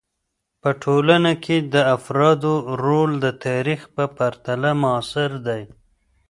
په ټولنه کې د افرادو رول د تاریخ په پرتله معاصر دی.